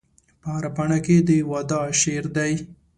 په هره پاڼه کې د وداع شعر دی